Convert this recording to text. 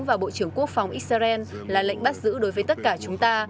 và bộ trưởng quốc phòng israel là lệnh bắt giữ đối với tất cả chúng ta